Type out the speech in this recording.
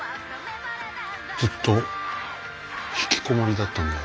ずっとひきこもりだったんだよ。